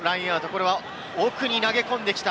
これは奥に投げ込んできた。